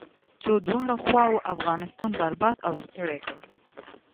څو دواړو خواوو افغانستان برباد او ستړی کړ.